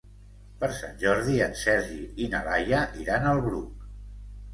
Per Sant Jordi en Sergi i na Laia iran al Bruc.